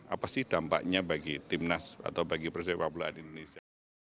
apa sih dampaknya bagi timnas atau bagi pestabolaan indonesia